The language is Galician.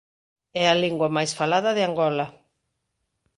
É a lingua máis falada de Angola.